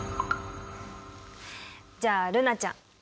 じゃあ瑠菜ちゃん